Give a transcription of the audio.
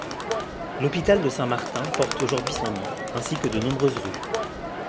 L'hôpital de Saint-Martin porte aujourd'hui son nom, ainsi que de nombreuses rues.